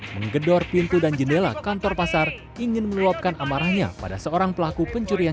menggedor pintu dan jendela kantor pasar ingin meluapkan amarahnya pada seorang pelaku pencurian